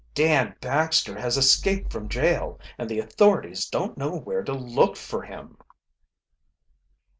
Dan Baxter has escaped from jail and the authorities don't know where to look for him."